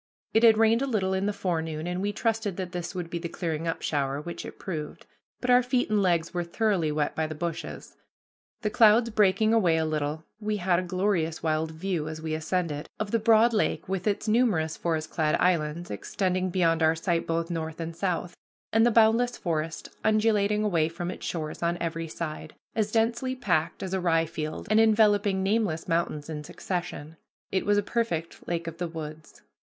It had rained a little in the forenoon, and we trusted that this would be the clearing up shower, which it proved; but our feet and legs were thoroughly wet by the bushes. The clouds breaking away a little, we had a glorious wild view, as we ascended, of the broad lake with its numerous forest clad islands extending beyond our sight both north and south, and the boundless forest undulating away from its shores on every side, as densely packed as a rye field and enveloping nameless mountains in succession. It was a perfect lake of the woods.